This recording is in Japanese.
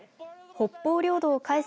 北方領土を返せ。